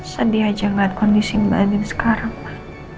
sedih aja ngelihat kondisi mbak adin sekarang ma